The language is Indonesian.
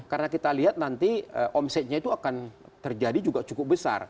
karena kita lihat nanti omsetnya itu akan terjadi juga cukup besar